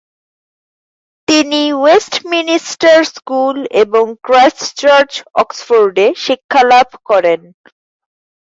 তিনি Westminster school এবং Christ Church, অক্সফোর্ডে শিক্ষা লাভ করেন।